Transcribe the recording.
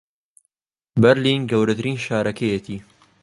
بەرلین گەورەترین شارەکەیەتی